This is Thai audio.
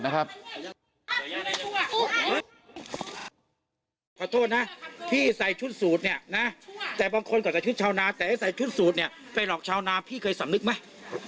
ขอโทษนะที่ใส่ชุดสูตรเนี่ยนะแต่บางคนก็จะชุดชาวนาแต่ให้ใส่ชุดสูตรเนี่ยไปหลอกชาวนาพี่เคยสำนึกไหม